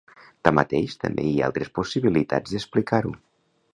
Tanmateix també hi ha altres possibilitats d'explicar-ho.